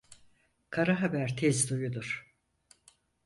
Kara haber tez duyulur.